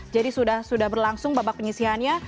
jadi sudah berlangsung babak penyesihannya